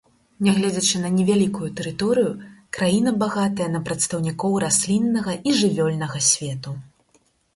Нягледзячы на невялікую тэрыторыю, краіна багатая на прадстаўнікоў расліннага і жывёльнага свету.